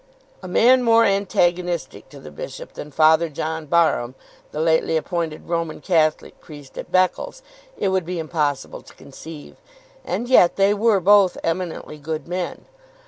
A man more antagonistic to the bishop than Father John Barham, the lately appointed Roman Catholic priest at Beccles, it would be impossible to conceive; and yet they were both eminently good men.